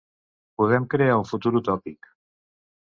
Podem crear un futur utòpic.